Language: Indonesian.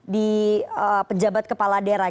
di penjabat kepala daerah